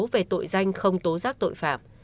về tội danh không tố giác tội phạm